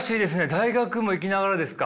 大学も行きながらですか？